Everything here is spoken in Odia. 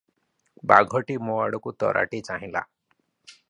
ବାଘଟି ମୋ ଆଡ଼କୁ ତରାଟି ଚାହିଁଲା ।